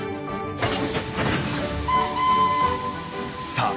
さあ